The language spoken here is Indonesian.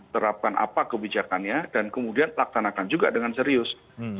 terapkan apa kebijakannya dan kemudian laksanakan juga dengan serius